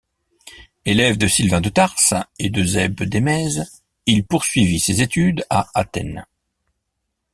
Élève de Sylvain de Tarse et d'Eusèbe d'Emèse, il poursuivit ses études à Athènes.